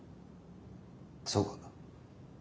そうか。